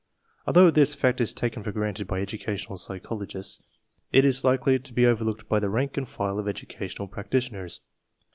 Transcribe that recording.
Although this fact is taken for granted by educational psychologists, it is likely to be overlooked by the rank and file of educational practitioners.